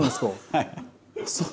はい。